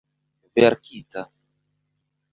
verkita